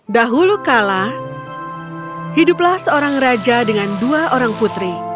dahulu kala hiduplah seorang raja dengan dua orang putri